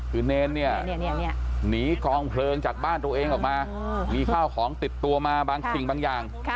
คือเนรเนี่ยหนีกองเพลิงจากบ้านตัวเองออกมามีข้าวของติดตัวมาบางสิ่งบางอย่าง